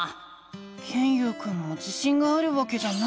ケンユウくんも自しんがあるわけじゃないんだ。